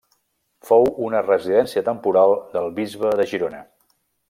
Fou una residència temporal del bisbe de Girona.